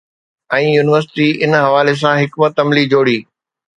۽ university ان حوالي سان حڪمت عملي جوڙي